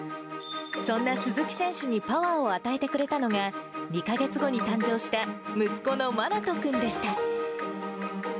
そんな鈴木選手にパワーを与えてくれたのが、２か月後に誕生した息子の愛士くんでした。